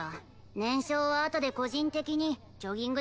燃焼はあとで個人的にジョギングでもしてくれ。